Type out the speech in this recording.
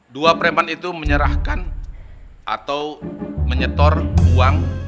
dua preman itu menyerahkan atau menyetor uang